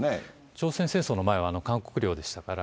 朝鮮戦争の前は韓国領でしたから。